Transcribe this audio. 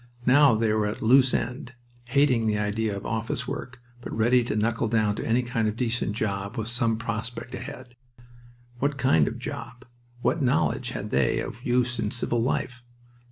Now they were at a loose end, hating the idea of office work, but ready to knuckle down to any kind of decent job with some prospect ahead. What kind of job? What knowledge had they of use in civil life?